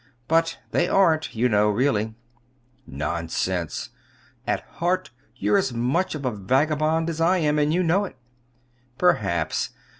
But they aren't, you know, really." "Nonsense! At heart you're as much of a vagabond as I am; and you know it." "Perhaps.